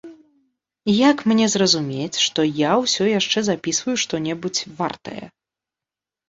Як мне зразумець, што я ўсё яшчэ запісваю што-небудзь вартае?